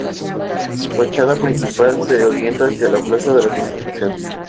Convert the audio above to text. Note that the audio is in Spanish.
Su fachada principal de orienta hacia la plaza de la Constitución.